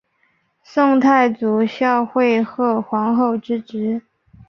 宋太祖孝惠贺皇后之侄。